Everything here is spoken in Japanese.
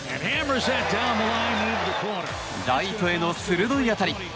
ライトへの鋭い当たり。